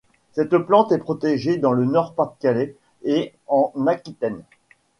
Cette plante est protégée dans le Nord-Pas-de-Calais et en Aquitaine.